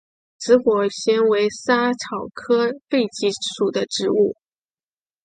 紫果蔺为莎草科荸荠属的植物。